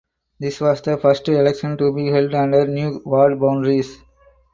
This was the first election to be held under new ward boundaries.